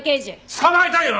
捕まえたいよ